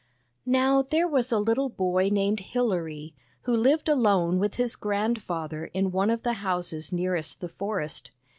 Now there was a little boy named Hilary, who lived alone with his grandfather in one of the houses nearest the forest.